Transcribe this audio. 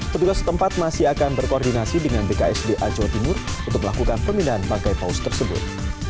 petugas tempat masih akan berkoordinasi dengan bksda jawa timur untuk melakukan pemindahan bangkai paus tersebut